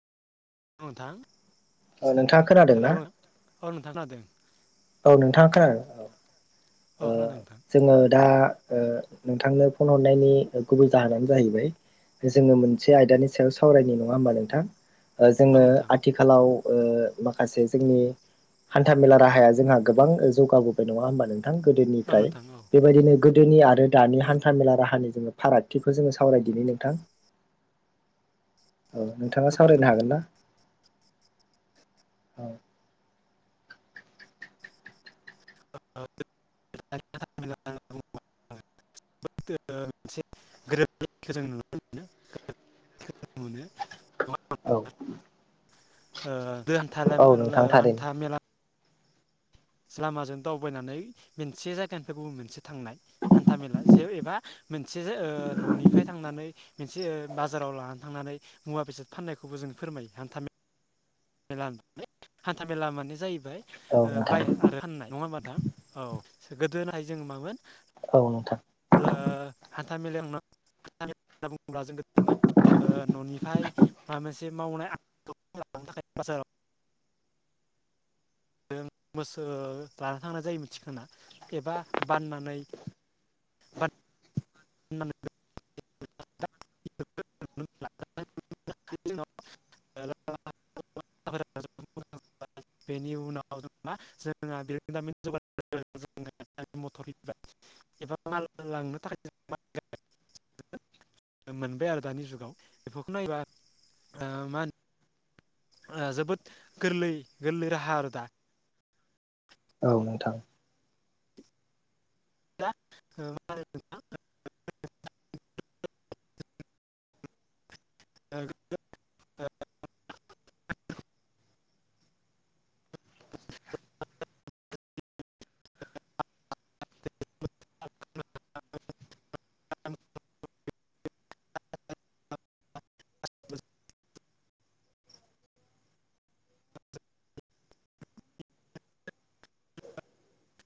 नथां औ नोंथाङा खोनादों ना औ नोंथां खोनादों औ नोंथाङा खोनादो औ खोनादों नोंथां जोङो दा ओ नोंथांनो फन हरनायनि गुबै जाहोनानो जाहैबाय जोङो मोनसे आयदानि सायाव सावरायनि नङा होमबा नोंथां ओ औ जोङो नोंथां आथिखालाव ओ माखासे जोंनि हान्था मेला राहाया जोंहा गोबां जौगाबोबाय नङा होमबा नोंथां औ गोदोनिफ्राय नोंथां औ बेबायदिनो गोदोनि आरो दानि हान्था मेला राहानि जोङो फारागथिखौ जोङो सावरायदिनि नोंथां औ नोंथाङा सावरायनो हागोन ना औ [unintelligible] जोद [unintelligible] मोनसे गोरोबलायनायखौ जों नुनो मोनो मान [unintelligible] औ ओ दु औ नोंथां [unintelligible] थारैनो हान्था मेला लामाजों दावबायनानै मोनसे जायगानिफ्राय गुबुन मोनसे थांनाय हान्था मेला जे एबा मोनसे ओ न'निफ्राय थांनानै मोनसे ओ बाजाराव लानानै थांनानै मुवा बेसाद फाननायखौबो जों फोरमायो हान्थामे मेला [unintelligible] हान्था-मेला माने जायो फ्राय औ ओ नोंथां बाय आरो फाननाय नङा होमबा दा औ गोदोनाय जोंङो मामोन औ नोंथां ओ [unintelligible] [unintelligible] न'निफ्राय माबा मोनसे मावनाय [unintelligible] दों मोसो लाना थांनाय जायो मिथिखा एबा बाननानै। बान न [unintelligible] [unintelligible] [unintelligible] बेनि उनाव जों मा जोंना बिरोंदामिन जौगा [unintelligible] गारि मथरनि [unintelligible] एबा माल लांनो थाखाय जों [unintelligible] [inaudible] [unintelligible] मोनबाय आरो दानि जुगाव बेफोरखौ नायोबा ओ मा होनो ओ जोबोद गोरलै गोरलै राहा आरो दा। औ नोंथां। [unintelligible] [unintelligible] [inaudible] [unintelligible] [unintelligible] [unintelligible]